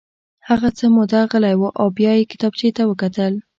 هغه څه موده غلی و او بیا یې کتابچې ته وکتل